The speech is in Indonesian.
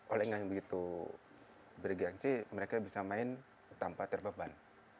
olinger yang begitu bergeansi mereka bisa main tanpa terbeban